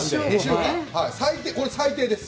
これ、最低です。